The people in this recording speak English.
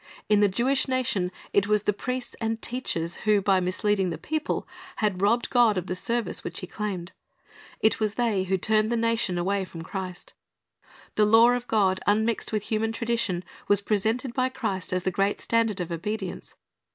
In the Jewish nation it was the priests and teachers who, by misleading the people, had robbed God of the service which He claimed. It was they who turned the nation away from Christ. The law of God, unmixed with human tradition, was presented by Christ as the great standard of obedience.